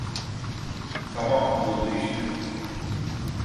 Tamam, oldu işte.